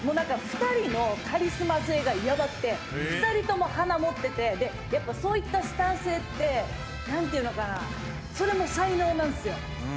２人のカリスマ性がやばくて、２人とも華持ってて、やっぱそういったスタンスって、なんていうのかな、それも才能なんですよ。